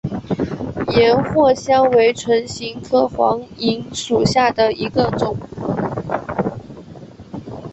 岩藿香为唇形科黄芩属下的一个种。